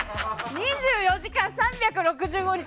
２４時間３６５日